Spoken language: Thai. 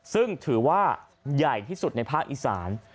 ซึ่งถือว่าใหญ่ที่สุดในภาคอีสาน